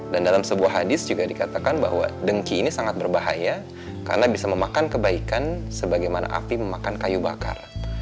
dan dalam sebuah hadis juga dikatakan bahwa dengki ini sangat berbahaya karena bisa memakan kebaikan sebagaimana api memakan kayu bakar